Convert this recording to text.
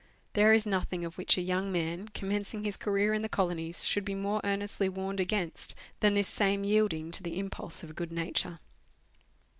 There is nothing of which a young man, commencing his career in the colonies, should be more earnestly warned against than this same yielding to the impulse of a good nature.